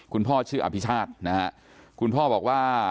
คุณพ่อชื่ออภิชาธิ์คุณพ่อบอกว่า